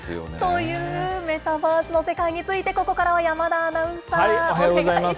というメタバースの世界について、ここからは山田アナウンサおはようございます。